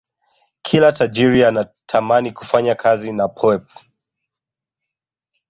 Kila tajiri anatamani kufanya kazi na poep